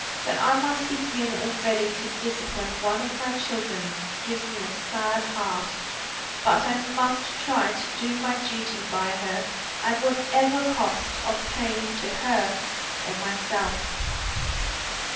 That I must begin already to discipline one of my children gives me a sad heart, but I must try to do my duty by her at what ever cost of pain to her or myself."